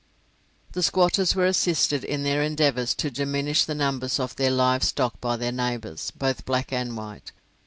The squatters were assisted in their endeavours to diminish the numbers of their live stock by their neighbours, both black and white.